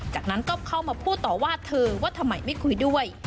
จากนั้นก็เข้ามาพูดต่อว่าเธอว่าทำไมไม่คุยด้วย